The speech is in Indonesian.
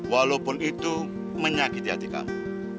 walaupun itu menyakiti hati kamu